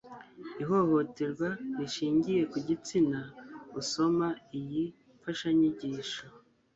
ihohoterwa rishingiye ku gitsina usoma iyi mfashanyigisho